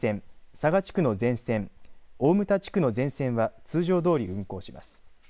佐賀地区の全線大牟田地区の全線は通常どおり運行します。